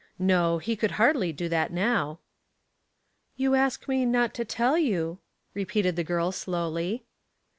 No, he could hardly do that now. "You ask me not to tell you," repeated the girl slowly.